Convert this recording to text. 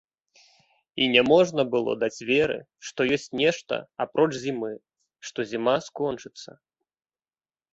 І няможна было даць веры, што ёсць нешта, апроч зімы, што зіма скончыцца.